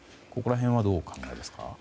ここら辺はどうお考えですか。